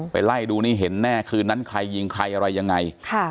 ไล่ดูนี่เห็นแน่คืนนั้นใครยิงใครอะไรยังไง